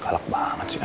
kalak banget sih ya